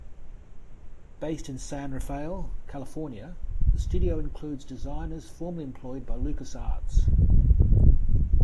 Based in San Rafael, California, the studio includes designers formerly employed by LucasArts.